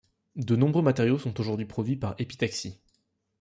De nombreux matériaux sont aujourd'hui produits par épitaxie.